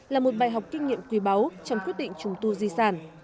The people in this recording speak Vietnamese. là một bài học kinh nghiệm quý báu trong quyết định trùng tu di sản